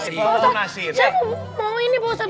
ustadz saya mau ini pak ustadz